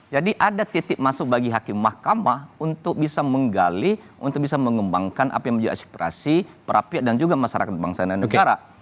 jadi ada titik masuk bagi hakim mahkamah untuk bisa menggali untuk bisa mengembangkan apa yang menjadi eksplorasi para pihak dan juga masyarakat pemerintahan